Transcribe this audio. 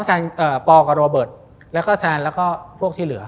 สำหรับพอและโรเบิร์ตและแซนและพวกที่เหลือ